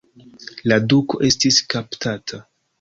La duko estis kaptata.